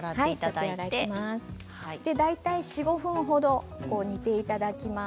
大体４、５分ほど煮ていただきます。